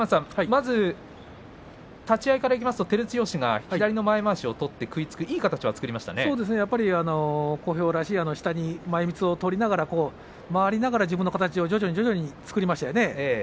まず立ち合いからいきますと照強が左の前まわしを取って小兵らしい下に前みつを取りながら回りながら自分の形を徐々に作りましたよね。